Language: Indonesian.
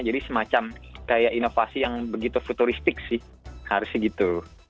jadi semacam kayak inovasi yang begitu futuristik sih harusnya gitu